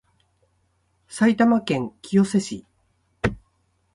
埼玉県清瀬市